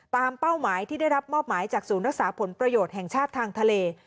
เป้าหมายที่ได้รับมอบหมายจากศูนย์รักษาผลประโยชน์แห่งชาติทางทะเล